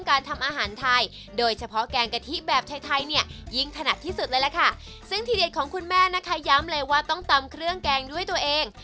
อย่างไรครับคุณแม่ครับก็เอาให้ตำเอาทุกอย่างมาทำรวมกัน